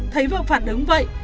thấy vợ phản ứng vậy